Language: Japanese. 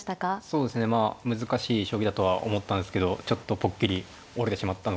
そうですねまあ難しい将棋だとは思ったんですけどちょっとポッキリ折れてしまったのかなという。